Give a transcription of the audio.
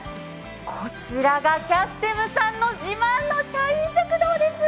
こちらがキャステムさんの自慢の社員食堂です。